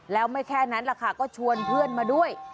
แล้วไม่แค่นั้นแหละค่ะก็ชวนเพื่อนมาด้วย